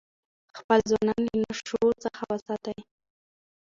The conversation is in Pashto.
خپل ځوانان له نشو څخه وساتئ.